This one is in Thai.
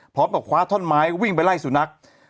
พร้อมกับคว้าท่อนไม้วิ่งไปไล่สุนัข